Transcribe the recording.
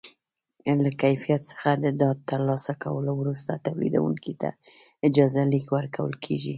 له کیفیت څخه د ډاډ ترلاسه کولو وروسته تولیدوونکي ته اجازه لیک ورکول کېږي.